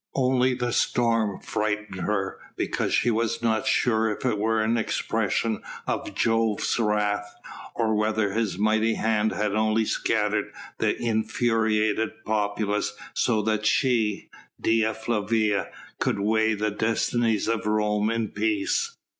Only the storm frightened her because she was not sure if it were an expression of Jove's wrath, or whether his mighty hand had only scattered the infuriated populace so that she Dea Flavia could weigh the destinies of Rome in peace.